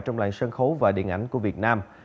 trong lại sân khấu và điện ảnh của việt nam